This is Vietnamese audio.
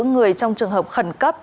người trong trường hợp khẩn cấp